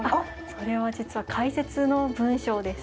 それは実は解説の文章です。